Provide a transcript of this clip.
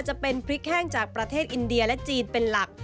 จะเป็นพริกแห้งจากประเทศอินเดียและจีนเป็นหลัก